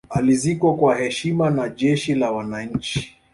alizikwa kwa heshima na jeshi la wananchi